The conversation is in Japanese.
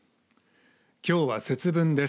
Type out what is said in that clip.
きょうは節分です。